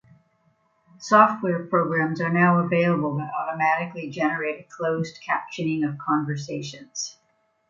Software programs are now available that automatically generate a closed-captioning of conversations.